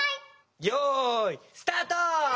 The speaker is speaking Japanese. よいスタート！